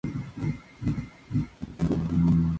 Toda la planta desprende un olor agradable.